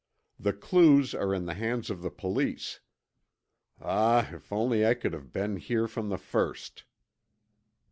The clues are in the hands of the police. Ah, if only I could have been here from the first!"